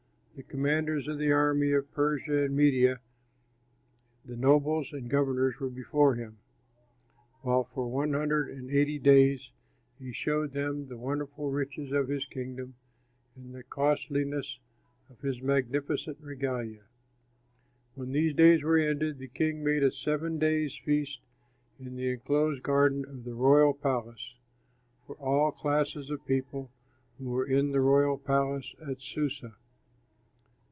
The commanders of the armies of Persia and Media, the nobles and governors were before him; while for one hundred and eighty days he showed them the wonderful riches of his kingdom and the costliness of his magnificent regalia. When these days were ended, the king made a seven days' feast in the enclosed garden of the royal palace, for all classes of people who were in the royal palace at Susa.